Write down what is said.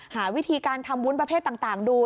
หาวิธีการทำวุ้นประเภทต่างดู